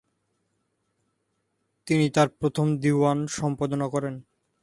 তিনি তার প্রথম দিওয়ান সম্পাদনা করেন।